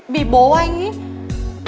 bị bố anh